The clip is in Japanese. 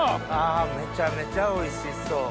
めちゃめちゃおいしそう。